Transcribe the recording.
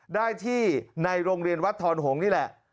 ได้ที่ในโรงเรียนวัดทอนหงษ์นี่แหละ